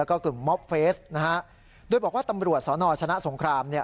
ออฟเฟสนะครับโดยบอกว่าตำรวจสนชนะสงคราม